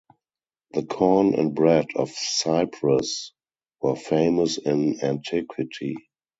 The corn and bread of Cyprus were famous in antiquity.